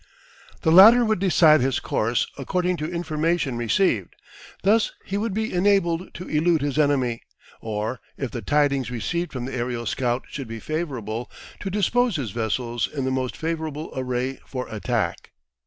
The latter would decide his course according to information received; thus he would be enabled to elude his enemy, or, if the tidings received from the aerial scout should be favourable, to dispose his vessels in the most favourable array for attack.